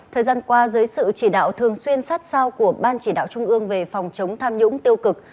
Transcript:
thời gian qua dưới sự chỉ đạo thường xuyên sát sao của ban chỉ đạo trung ương về phòng chống tham nhũng tiêu cực